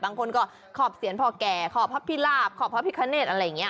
บางคนก็ขอบเซียนพ่อแก่ขอบพระพิลาบขอบพระพิคเนตอะไรอย่างนี้